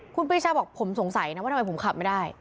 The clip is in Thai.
คุณปีชาบอกผมสงสัยนะว่าทำไมผมขับไม่ได้